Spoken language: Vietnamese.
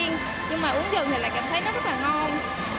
nhưng uống dần lại cảm thấy rất là ngon